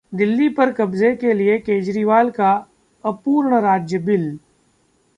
दिल्ली पर कब्जे के लिए केजरीवाल का अ'पूर्ण राज्य' बिल